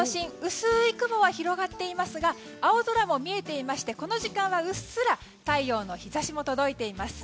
薄い雲が広がっていますが青空も見えていましてこの時間はうっすら太陽の日差しも届いています。